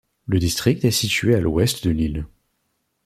Le district est situé à l'ouest de l'île.